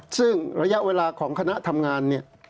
ซึ่งระยะเวลาของคณะทำงาน